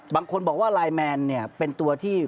บางคนบอกว่าไลน์แมนเนี่ยเป็นตัวที่